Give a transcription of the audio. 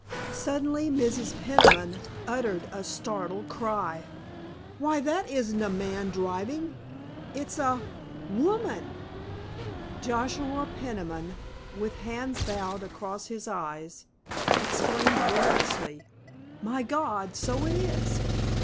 Suddenly Mrs. Peniman uttered a startled cry: "Why, that isn't a man driving—it's a woman!" Joshua Peniman, with hands bowed across his eyes, exclaimed breathlessly, "My God, so it is!"